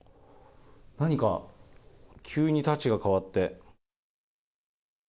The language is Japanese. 何か急にタッチが変わって。